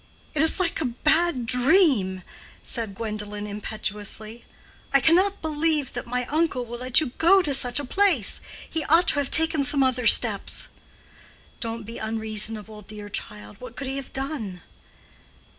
"It is like a bad dream," said Gwendolen, impetuously. "I cannot believe that my uncle will let you go to such a place. He ought to have taken some other steps." "Don't be unreasonable, dear child. What could he have done?"